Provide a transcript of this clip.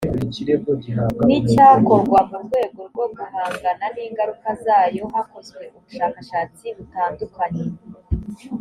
n’icyakorwa mu rwego rwo guhangana n’ingaruka zayo hakozwe ubushakashatsi butandukanye